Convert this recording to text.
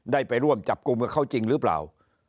ได้ไปร่วมจับกลุ่มกับเขาจริงหรือเปล่า